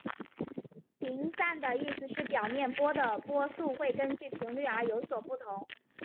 频散的意思是表面波的波速会根据频率而有所不同。